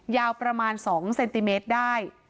ยาวประมาณ๒เซนติเมตรได้